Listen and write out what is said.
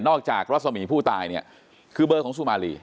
จากรัศมีผู้ตายเนี่ยคือเบอร์ของสุมารี